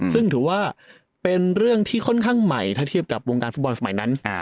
ซึ่งถือว่าเป็นเรื่องที่ค่อนข้างใหม่ถ้าเทียบกับวงการฟุตบอลสมัยนั้น